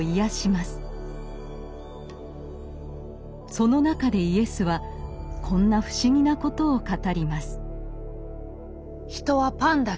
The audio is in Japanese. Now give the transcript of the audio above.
その中でイエスはこんな不思議なことを語ります。